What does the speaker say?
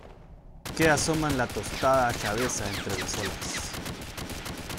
que asoman la tostada cabeza entre las olas,